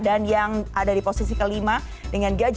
dan yang ada di posisi kelima dengan gaji tertinggi